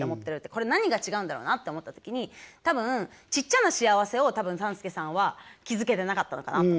これ何が違うんだろうなって思った時に多分ちっちゃな幸せを多分３助さんは気付けてなかったのかなと思って。